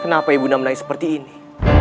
kenapa ibu undang menangis seperti ini